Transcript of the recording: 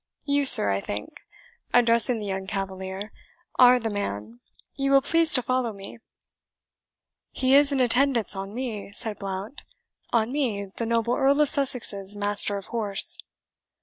You, sir, I think," addressing the younger cavalier, "are the man; you will please to follow me." "He is in attendance on me," said Blount "on me, the noble Earl of Sussex's master of horse."